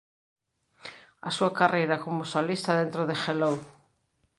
A súa carreira como solista dentro de Hello!